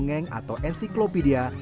bongeng atau ensiklopedia